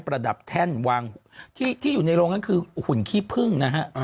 ระดับแท่นวางที่อยู่ในโรงนั้นคือหุ่นขี้พึ่งนะฮะ